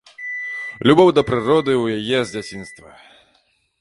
Любоў да прыроды ў яе з дзяцінства.